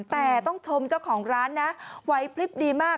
แต่ต้องชมเจ้าของร้านนะไหวพลิบดีมาก